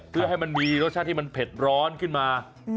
เพื่อให้มันมีรสชาติที่มันเผ็ดร้อนขึ้นมา